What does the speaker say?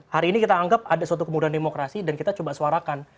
hari ini kita anggap ada suatu kemudahan demokrasi dan kita coba suarakan